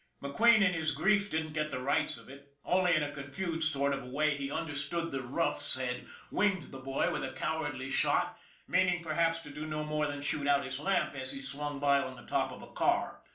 McQueen in his grief didn't get the rights of it. Only in a confused sort of a way he understood the McQUEEN'S HOBBY 287 roughs had winged the boy with a cowardly shot, meaning perhaps to do no more than shoot out his lamp as he swung by on the top of a car.